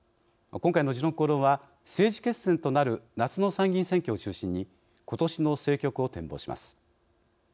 今回の「時論公論」は政治決戦となる夏の参議院選挙を中心にことしの政局を展望します。